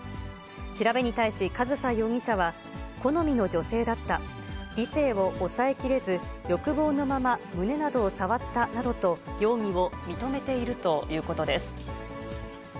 調べに対し、上総容疑者は、好みの女性だった、理性を抑えきれず、欲望のまま胸などを触ったなどと、容疑を認めているということです。